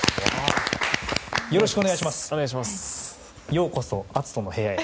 ようこそ「篤人の部屋」へ。